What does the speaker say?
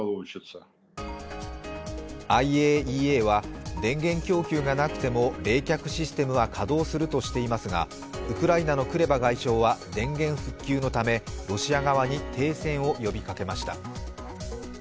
ＩＡＥＡは電源供給がなくても冷却システムは稼働するとしていますがウクライナのクレバ外相は電源復旧のため、ロシア側に停戦を呼びかけました。